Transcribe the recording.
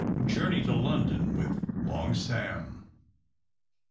JOURNEY TO LONDON WITH LONG SAM.